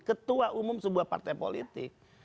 ketua umum sebuah partai politik